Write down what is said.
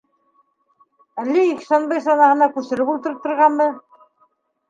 Әллә Ихсанбай санаһына күсереп ултыртырғамы?